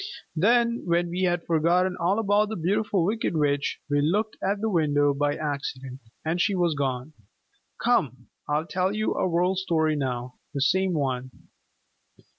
Then when we had forgotten all about the Beautiful Wicked Witch, we looked at the window by accident and she was gone. Come, I'll tell you a World Story now, the same one."